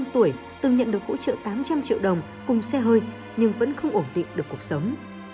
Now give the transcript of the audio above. một mươi tuổi từng nhận được hỗ trợ tám trăm linh triệu đồng cùng xe hơi nhưng vẫn không ổn định được cuộc sống